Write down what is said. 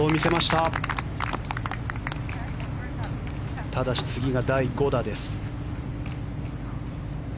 ただし次が第５打です。